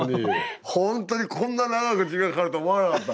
ほんとにこんな長く時間かかるとは思わなかった。